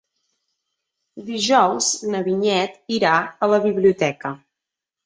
Dijous na Vinyet irà a la biblioteca.